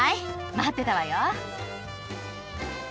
待ってたわよ！